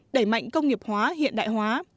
đẩy mạnh công nghiệp hóa hiện đại hóa